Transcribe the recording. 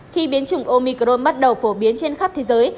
khi biến chủng omicron bắt đầu phổ biến trên khắp thế giới